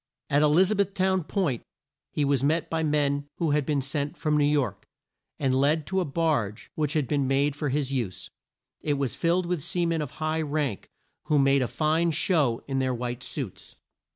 At E liz a beth town Point he was met by men who had been sent from New York, and led to a barge which had been made for his use. It was filled with sea men of high rank, who made a fine show in their white suits.